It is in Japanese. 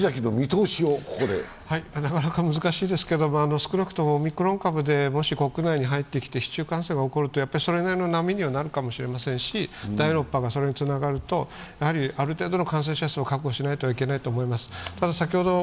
少なくともオミクロン株でもし国内に入ってきて市中感染が怒ると、それなりの波にはなるかもしれませんし第６波がそれにつながるとある程度の感染者数を覚悟しなければいけないと思います。